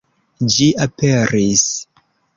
Ĝi aperis!